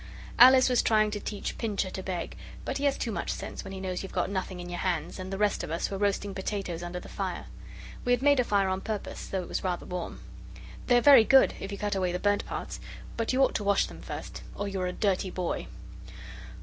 Alice was trying to teach Pincher to beg; but he has too much sense when he knows you've got nothing in your hands, and the rest of us were roasting potatoes under the fire. We had made a fire on purpose, though it was rather warm. They are very good if you cut away the burnt parts but you ought to wash them first, or you are a dirty boy.